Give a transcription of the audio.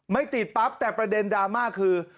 ไม่ติดปั๊บแต่ประเด็นดราม่าคือ